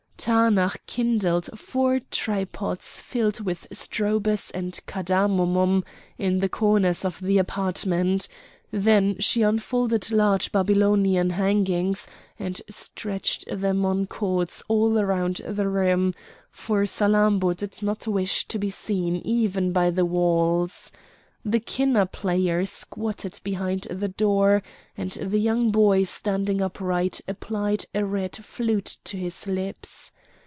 Taanach kindled four tripods filled with strobus and cadamomum in the corners of the apartment; then she unfolded large Babylonian hangings, and stretched them on cords all around the room, for Salammbô did not wish to be seen even by the walls. The kinnor player squatted behind the door and the young boy standing upright applied a reed flute to his lips.